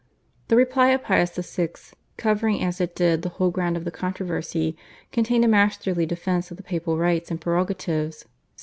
The reply of Pius VI., covering as it did the whole ground of the controversy, contained a masterly defence of the papal rights and prerogatives (1789).